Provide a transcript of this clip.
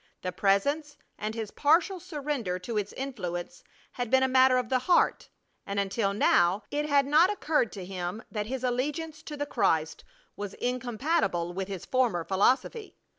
The Presence and his partial surrender to its influence had been a matter of the heart, and until now it had not occurred to him that his allegiance to the Christ was incompatible with his former philosophy.